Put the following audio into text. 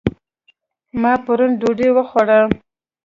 ما پرون ډوډۍ وخوړه